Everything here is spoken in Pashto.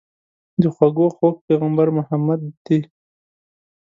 د خوږو خوږ پيغمبر محمد دي.